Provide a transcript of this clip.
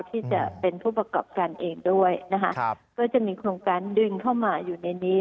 ที่จะเป็นผู้ประกอบการเองด้วยนะคะก็จะมีโครงการดึงเข้ามาอยู่ในนี้